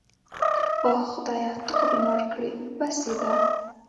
اوه، زما خدایه ته خو مې مړ کړې. بس يې ده.